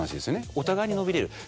お互いに伸びれる。